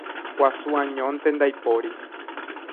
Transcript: Guasu añónte ndaipóri.